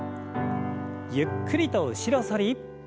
ゆっくりと後ろ反り。